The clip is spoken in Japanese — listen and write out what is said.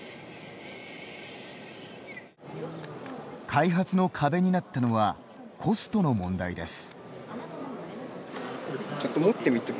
開発の壁になったのはコストの問題です。